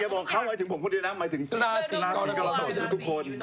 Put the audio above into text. อย่าบอกเวลาถึงผมเพิ่งได้นะหมายถึกละสีกต่อทุกคน